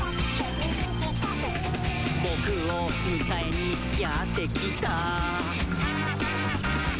「ぼくをむかえにやってきた？」